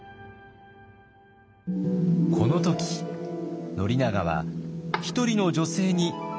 この時宣長は一人の女性に一目ぼれをしました。